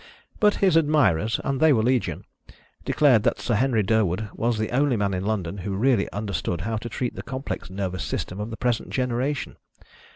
But his admirers and they were legion declared that Sir Henry Durwood was the only man in London who really understood how to treat the complex nervous system of the present generation.